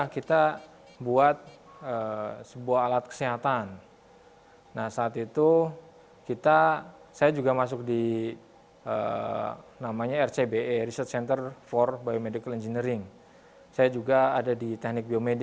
kami juga akan membuat sampel sampel dari covid sembilan belas